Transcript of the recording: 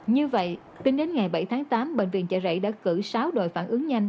như vậy tính đến ngày bảy tháng tám bệnh viện chợ rẫy đã cử sáu đội phản ứng nhanh